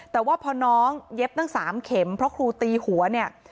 แต่ว่าพอน้องเย็บตั้ง๓เข็มเพราะครูตีหัวเนี่ย